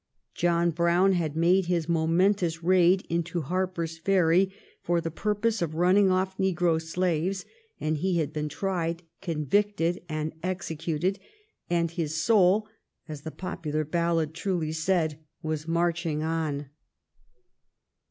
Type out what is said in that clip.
John Brown had made his momen tous raid into Harper's Ferry for the purpose of running off negro slaves, and he had been tried, convicted, and executed, and his soul, as the pop ular ballad truly said, was "marching on."